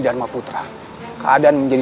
dharma putra keadaan menjadi